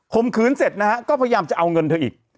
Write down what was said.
มขืนเสร็จนะฮะก็พยายามจะเอาเงินเธออีก